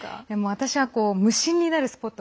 私は無心になるスポット。